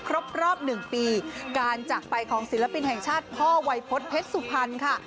รอบหนึ่งปีการจัดไปของศิลปินแห่งชาติพ่อวัยพฤตเพชรสุมพันธ์ค่ะ